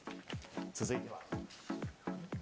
続いては。